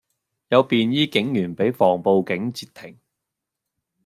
有便衣警員被防暴警截停